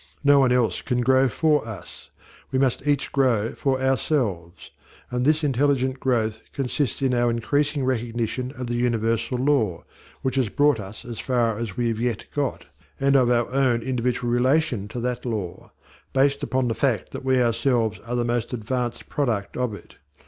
No one else can grow for us: we must each grow for ourselves; and this intelligent growth consists in our increasing recognition of the universal law, which has brought us as far as we have yet got, and of our own individual relation to that law, based upon the fact that we ourselves are the most advanced product of it.